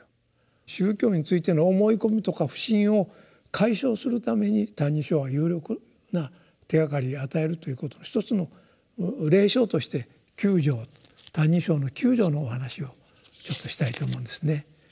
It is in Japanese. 宗教についての思い込みとか不信を解消するために「歎異抄」は有力な手がかりを与えるということの一つの例証として九条「歎異抄」の九条のお話をちょっとしたいと思うんですね。